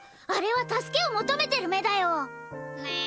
あれは助けを求めてる目だよ。